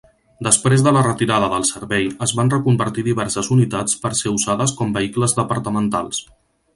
Després de la retirada del servei, es van reconvertir diverses unitats per ser usades com vehicles departamentals.